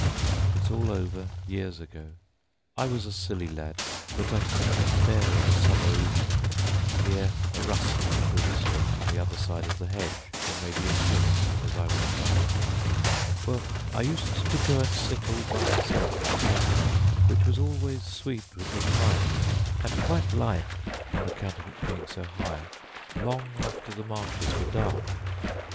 It's all over, years ago. I was a silly lad; but I couldn't bear of a summer evening to hear a rustle and a whisper from the other side of the hedge, or maybe a kiss as I went by. "Well, I used to go and sit all by myself in the churchyard, which was always sweet with thyme, and quite light (on account of its being so high) long after the marshes were dark.